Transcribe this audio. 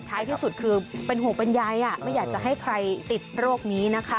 ที่สุดคือเป็นห่วงเป็นใยไม่อยากจะให้ใครติดโรคนี้นะคะ